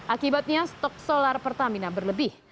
akibatnya stok solar pertamina berlebih